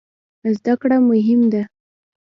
زده کړه مهم ده